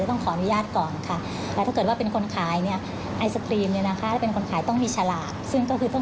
หลังจากนี้ก็ถ้าเรามีข้อมูลบ่อแสแล้วเราก็ต้องรู้ว่าเขาขายจริงก่อนหรือเปล่า